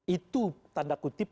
itu tanda kutip